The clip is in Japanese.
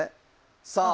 さあ。